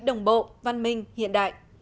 đồng bộ văn minh hiện đại